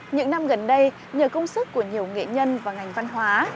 những năm gần đây nhờ công sức của nhiều nghệ nhân và ngành văn hóa